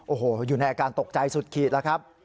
โอ้โหอยู่ในอาการตกใจสุดขีดแล้วครับ